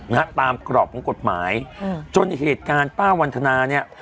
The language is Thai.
นะฮะตามกรอบของกฎหมายอืมจนเหตุการณ์ป้าวันทนาเนี้ย